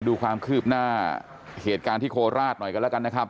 ดูความคืบหน้าเหตุการณ์ที่โคราชหน่อยกันแล้วกันนะครับ